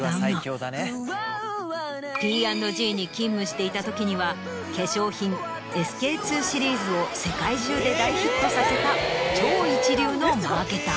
していたときには化粧品ＳＫ−ＩＩシリーズを世界中で大ヒットさせた超一流のマーケター。